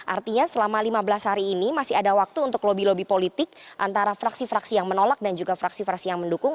artinya selama lima belas hari ini masih ada waktu untuk lobby lobby politik antara fraksi fraksi yang menolak dan juga fraksi fraksi yang mendukung